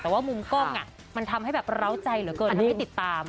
แต่ว่ามุมกล้องอ่ะมันทำให้แบบระวใจเหลือเกินไม่ติดตาม